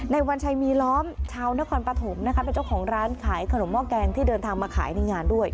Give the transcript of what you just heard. วัญชัยมีล้อมชาวนครปฐมนะคะเป็นเจ้าของร้านขายขนมห้อแกงที่เดินทางมาขายในงานด้วย